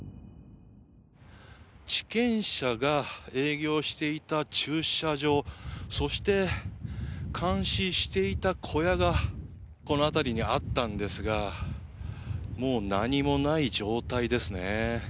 地権者が営業していた駐車場そして、監視していた小屋がこの辺りにあったんですがもう何もない状態ですね。